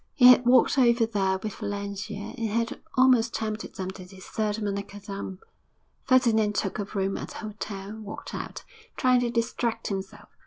He had walked over there with Valentia, and it had almost tempted them to desert Monnickendam. Ferdinand took a room at the hotel and walked out, trying to distract himself.